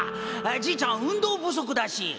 じいちゃん運動不足だし。